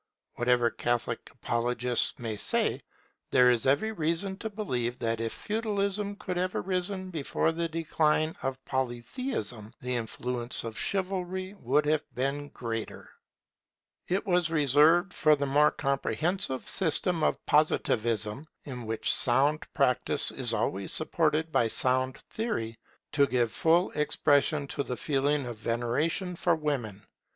Whatever Catholic apologists may say, there is every reason to believe that if Feudalism could have arisen before the decline of Polytheism, the influence of Chivalry would have been greater. It was reserved for the more comprehensive system of Positivism, in which sound practice is always supported by sound theory, to give full expression to the feeling of veneration for women.